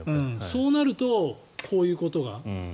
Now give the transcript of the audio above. そうなるとこういうことが。